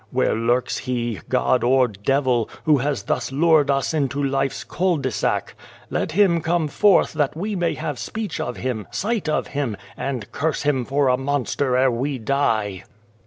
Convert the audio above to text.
Where lurks he god or devil who has thus lured us into life's cul de sac ? Let him come forth that we may have speech of him, sight of him, and curse him for a monster ere we die."